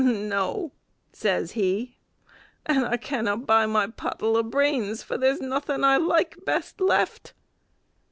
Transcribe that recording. "No," says he, "and I canna buy my pottle o' brains, for there's nothing I like best left!"